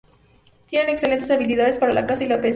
Tienen excelentes habilidades para la caza y la pesca.